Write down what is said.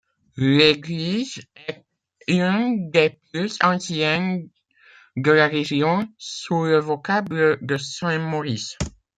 L’église est une des plus anciennes de la région, sous le vocable de Saint-Maurice.